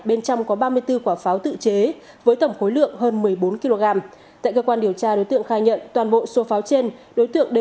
bên trong có ba mươi bốn quả pháo tự chế với tổng khối lượng hơn một mươi bốn kg